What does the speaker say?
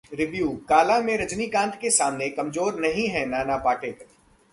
Review: Kaala में रजनीकांत के सामने कमजोर नहीं हैं नाना पाटेकर